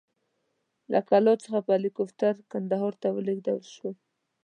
له کلات څخه په هلیکوپټر کندهار ته ولېږدول شوم.